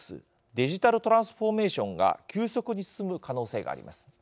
デジタルトランスフォーメーションが急速に進む可能性があります。